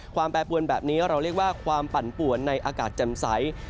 แปรปวนแบบนี้เราเรียกว่าความปั่นป่วนในอากาศแจ่มใส